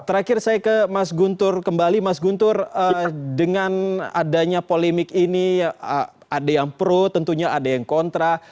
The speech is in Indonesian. terakhir saya ke mas guntur kembali mas guntur dengan adanya polemik ini ada yang pro tentunya ada yang kontra